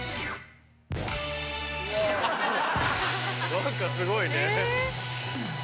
何かすごいね。え！